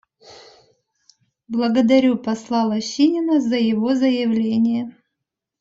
Благодарю посла Лощинина за его заявление.